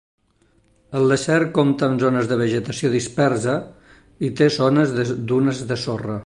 El desert compta amb zones de vegetació dispersa i té zones de dunes de sorra.